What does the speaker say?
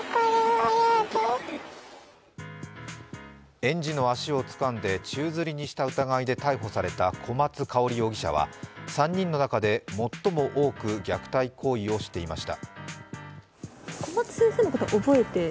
園児の足をつかんで宙づりにした疑いで逮捕された小松香織容疑者は３人の中で最も多く虐待行為をしていました。